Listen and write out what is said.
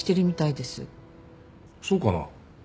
そうかな？